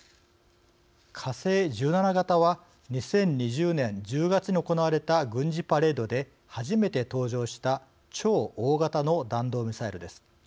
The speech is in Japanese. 火星１７型は２０２０年１０月に行われた軍事パレードで初めて登場した超大型の弾道ミサイルです。